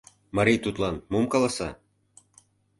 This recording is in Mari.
Марий тудлан мом каласа?